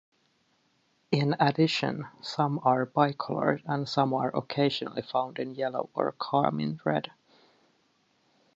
In addition, some are bicolored and some are occasionally found in yellow or carmine-red.